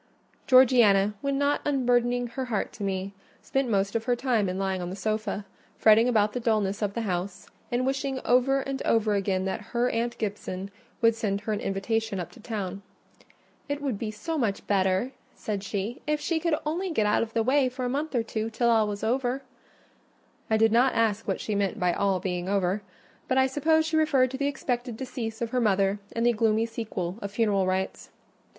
Georgiana, when not unburdening her heart to me, spent most of her time in lying on the sofa, fretting about the dulness of the house, and wishing over and over again that her aunt Gibson would send her an invitation up to town. "It would be so much better," she said, "if she could only get out of the way for a month or two, till all was over." I did not ask what she meant by "all being over," but I suppose she referred to the expected decease of her mother and the gloomy sequel of funeral rites.